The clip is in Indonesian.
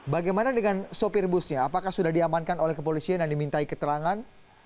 bagaimana dengan sopir busnya apakah sudah diamankan oleh kepolisian dan dimintai keterangan